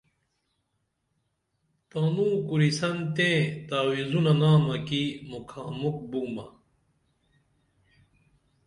تانوں کوریسن تیں تعویزنامہ کی مُکھا مُکھ بومہ